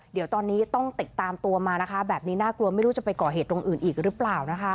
เดี๋ยวตอนนี้ต้องติดตามตัวมานะคะแบบนี้น่ากลัวไม่รู้จะไปก่อเหตุตรงอื่นอีกหรือเปล่านะคะ